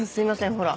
ほら